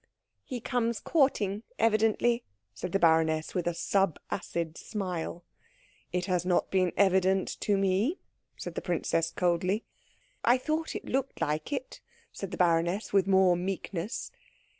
"He comes courting, evidently," said the baroness with a sub acid smile. "It has not been evident to me," said the princess coldly. "I thought it looked like it," said the baroness, with more meekness.